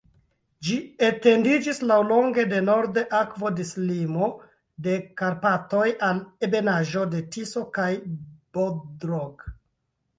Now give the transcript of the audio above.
Ĝi etendiĝis laŭlonge de norde akvodislimo de Karpatoj al ebenaĵo de Tiso kaj Bodrog.